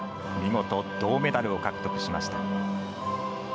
見事、銅メダルを獲得しました。